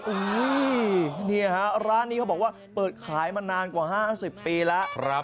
โอ้โหนี่ฮะร้านนี้เขาบอกว่าเปิดขายมานานกว่า๕๐ปีแล้ว